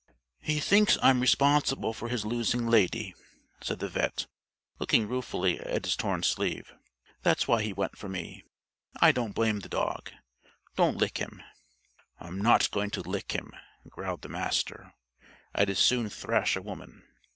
"He thinks I'm responsible for his losing Lady," said the vet', looking ruefully at his torn sleeve. "That's why he went for me. I don't blame the dog. Don't lick him." "I'm not going to lick him," growled the Master. "I'd as soon thrash a woman.